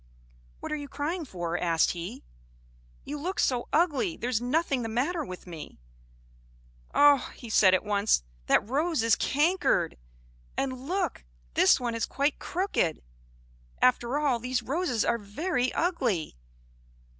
"What are you crying for?" asked he. "You look so ugly! There's nothing the matter with me. Ah," said he at once, "that rose is cankered! And look, this one is quite crooked! After all, these roses are very ugly!